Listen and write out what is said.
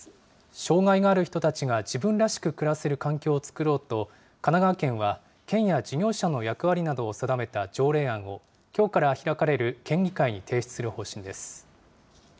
障害がある人たちが自分らしく暮らせる環境を作ろうと、神奈川県は県や事業者の役割などを定めた条例案を、きょうから開かれる県議会に提出する方針です。